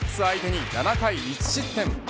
相手に７回１失点。